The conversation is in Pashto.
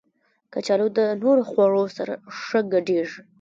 کچالو د نورو خوړو سره ښه ګډېږي